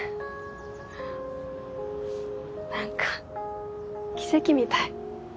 何か奇跡みたい。